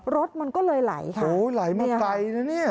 รถมันก็เลยไหลค่ะโอ้ไหลมาไกลนะเนี่ย